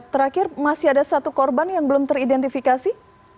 terakhir masih ada satu korban yang belum teridentifikasi